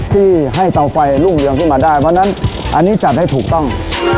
ที่ให้เตาไฟรุ่งเรืองขึ้นมาได้เพราะฉะนั้นอันนี้จัดให้ถูกต้อง